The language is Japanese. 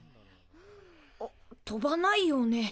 飛ばないよね？